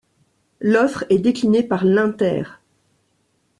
L'offre est déclinée par l'Inter.